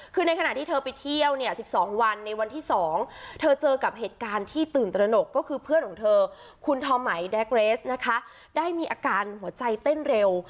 คือในขณะที่เธอไปเที่ยวเนี่ย๑๒วันในวันที่๒เธอเจอกับเหตุการณ์ที่ตื่นตระหนกก็คือเพื่อนของเธอคุณทอมไหมแดกเรสนะคะได้มีอาการหัวใจเต้นเร็ว